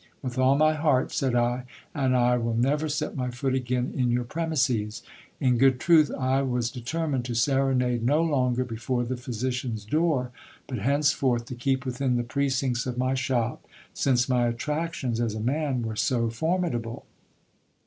With all my heart, said I, and I will never set my foot again in your premises. In good truth, I was determined to serenade no longer before the physician's door, but henceforth to keep within the precincts of my shop, since my attractions as a man were so formidable.